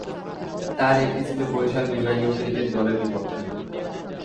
তার একটি ছিল বরিশাল বিভাগীয় ক্রিকেট দলের বিপক্ষে।